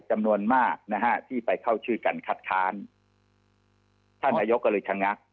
จำนวนมากนะฮะที่ไปเข้าชื่อกันคัดค้านท่านนายกก็เลยชะงัก